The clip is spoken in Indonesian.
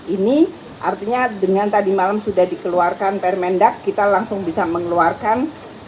ini artinya dengan tadi malam sudah dikeluarkan permendak kita langsung bisa mengeluarkan